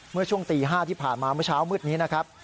เมื่อช่วงตี๕ที่ผ่านมาเมื่อเช้ามืดนี้นะครับ